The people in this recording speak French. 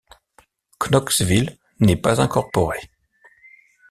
Knoxville n’est pas incorporée.